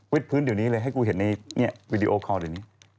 พื้นเดี๋ยวนี้เลยให้กูเห็นในวีดีโอคอลเดี๋ยวนี้